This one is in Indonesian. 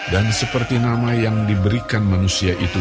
dan seperti nama yang diberikan manusia itu